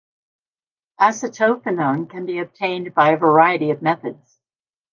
Acetophenone can be obtained by a variety of methods.